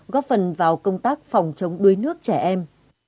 góp phần vào công tác phòng chống đuối nước trẻ em